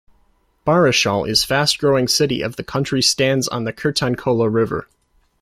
Barisal is fast growing city of the country stands on the Kirtankhola River.